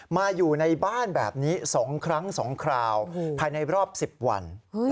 อยู่ในบ้านแบบนี้๒ครั้ง๒คราวภายในรอบ๑๐วัน